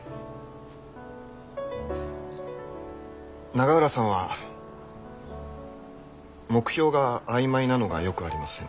永浦さんは目標が曖昧なのがよくありません。